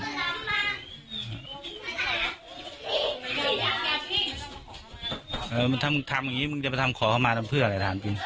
ถ้ามึงทำอย่างนี้มึงจะไปทำขอเข้ามาทำเพื่ออะไรถามจริง